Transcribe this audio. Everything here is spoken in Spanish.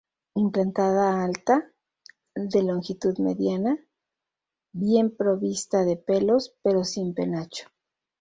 Implantada alta, de longitud mediana, bien provista de pelos, pero sin penacho.